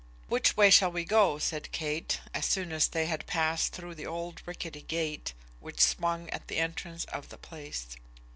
"Which way shall we go?" said Kate, as soon as they had passed through the old rickety gate, which swung at the entrance of the place.